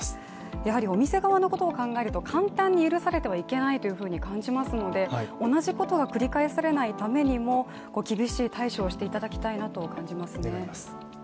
やはりお店側のことを考えると簡単に許されてはいけないと思いますので同じことが繰り返されないためにも厳しい対処をしていただきたいなと感じますね。